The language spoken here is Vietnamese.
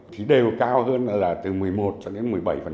thì đều cao hơn là từ một mươi một cho đến một mươi bảy